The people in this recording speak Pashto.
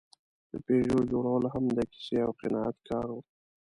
د پيژو جوړول هم د کیسې او قناعت کار و.